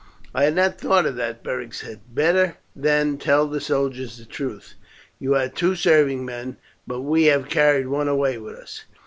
"I had not thought of that," Beric said. "Better, then, tell the soldiers the truth: you had two serving men, but we have carried one away with us."